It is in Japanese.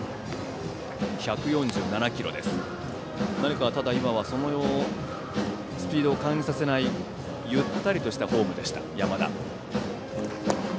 １４７キロですが何か、今はそのスピードを感じさせない、ゆったりとしたフォームでした、山田。